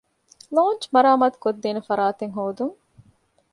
ލޯންޗް މަރާމާތު ކޮށްދޭނެ ފަރާތެއް ހޯދުން